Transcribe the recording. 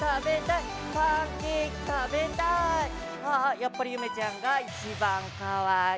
やっぱり夢ちゃんが一番かわいい。